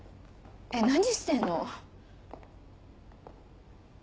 えっ何してんの？